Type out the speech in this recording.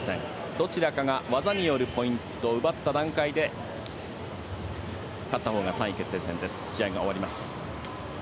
どちらかが技によるポイントを奪った段階で勝ったほうが３位決定戦で試合が終わります。